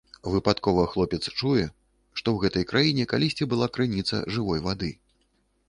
Выпадкова хлопец чуе, што ў гэтай краіне калісьці была крыніца жывой вады.